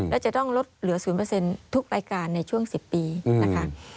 และจะต้องลดเหลือ๐ทุกรายการในช่วง๑๐ปีนะคะ